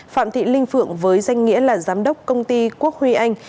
phạm thị linh phượng với danh nghĩa là giám đốc công ty quốc huy anh